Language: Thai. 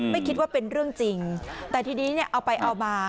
ไม่คิดว่าเป็นเรื่องจริงแต่ทีนี้เนี่ยเอาไปเอามา